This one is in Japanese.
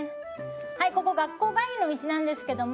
はいここ学校帰りの道なんですけども。